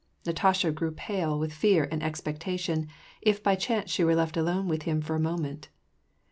Natasha grew pale with fear and expecta tion, if by chance she were left alone with him for a moment.